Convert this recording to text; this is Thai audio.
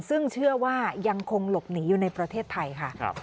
ซึ่งเชื่อว่ายังคงหลบหนีอยู่ในประเทศไทยค่ะ